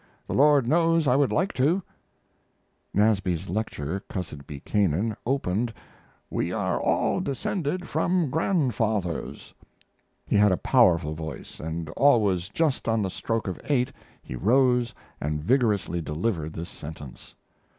The Lord knows I would like to. [Nasby's lecture, "Cussed Be Canaan," opened, "We are all descended from grandfathers!" He had a powerful voice, and always just on the stroke of eight he rose and vigorously delivered this sentence.